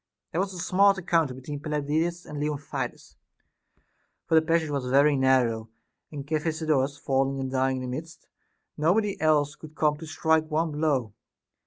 There was a smart encounter between Pelopidas and Leontidas, for the passage was very narrow, and Cephisodorus falling and dying in the midst, nobody else could come to strike one blow.